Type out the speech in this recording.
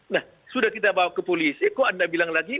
nah sudah kita bawa ke polisi kok anda bilang lagi